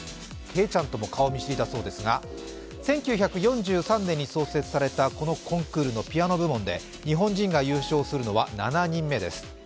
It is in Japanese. けいちゃんとも顔見知りだそうですが、１９４３年に創設されたこのコンクールのピアノ部門で日本人が優勝するのは７人目です。